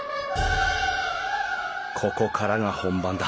ここからが本番だ